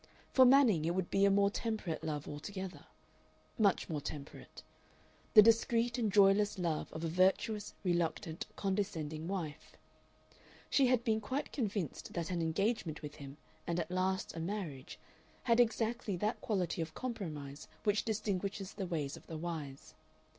For Manning it would be a more temperate love altogether. Much more temperate; the discreet and joyless love of a virtuous, reluctant, condescending wife. She had been quite convinced that an engagement with him and at last a marriage had exactly that quality of compromise which distinguishes the ways of the wise.